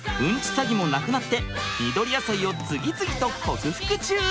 詐欺もなくなって緑野菜を次々と克服中！